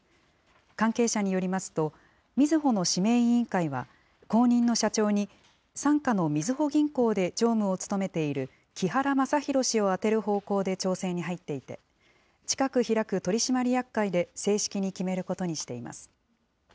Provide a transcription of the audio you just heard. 関係者によりますと、みずほの指名委員会は、後任の社長に、傘下のみずほ銀行で常務を務めている木原正裕氏を充てる方向で調整に入っていて、近く開く取締役会で正式に決めることにしています。